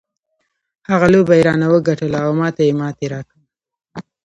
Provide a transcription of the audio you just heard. هغه لوبه یې رانه وګټله او ما ته یې ماتې راکړه.